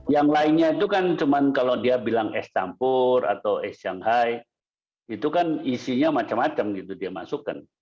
yang lainnya itu kan cuma kalau dia bilang es campur atau es shanghai itu kan isinya macam macam gitu dia masukkan